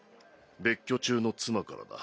別居中の妻からだ。